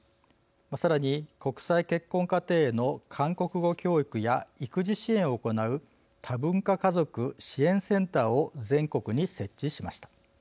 さらに国際結婚家庭への韓国語教育や育児支援を行う多文化家族支援センターを全国に設置しました。